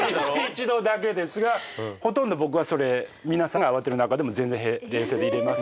一度だけですがほとんど僕はそれ皆さんが慌てる中でも全然冷静でいれます。